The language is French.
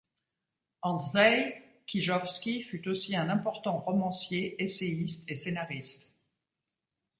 Andrzej Kijowski fut aussi un important romancier, essayiste et scénariste.